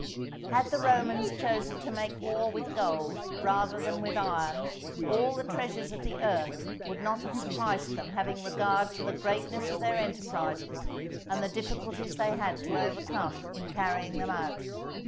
Had the Romans chosen to make war with gold rather than with iron all the treasures of the earth would not have sufficed them having regard to the greatness of their enterprises and the difficulties they had to overcome in carrying them out.